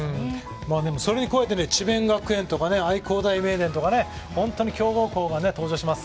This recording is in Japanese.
それに智弁学園とか、愛工大名電とか、本当に強豪校が登場します。